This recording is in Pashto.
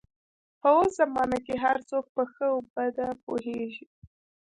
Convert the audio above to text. په اوس زمانه کې هر څوک په ښه او بده پوهېږي.